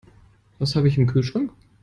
Was habe ich im Kühlschrank?